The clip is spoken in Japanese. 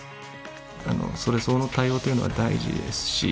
それ相応の対応というのは大事ですし。